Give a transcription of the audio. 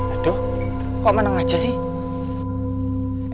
aduh kok mana ngajak sih